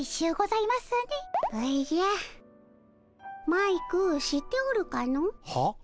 マイク知っておるかの？は？